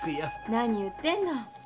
何言ってるの。